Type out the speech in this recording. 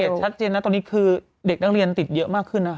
ชัดเจนนะตอนนี้คือเด็กนักเรียนติดเยอะมากขึ้นนะคะ